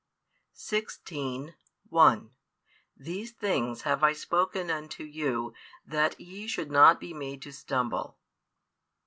xvi. 1 These things have I spoken unto you, that ye should not be made to stumble.